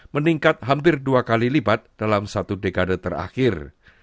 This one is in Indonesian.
meningkat hampir dua kali lipat dalam satu dekade terakhir